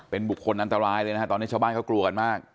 เป็นบุคคลอันตรายเลยนะฮะตอนนี้ชาวบ้านเขากลัวกันมาก